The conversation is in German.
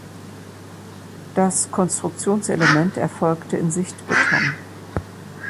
Das Konstruktionselement erfolgte in Sichtbeton.